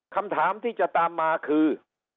คำถามที่จะตามมาคือ